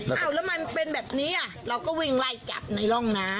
อ้าวแล้วมันเป็นแบบนี้อ่ะเราก็วิ่งไล่จับในร่องน้ำ